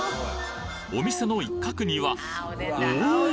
お店の一角にはおおっ！